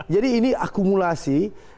jadi ini akumulasi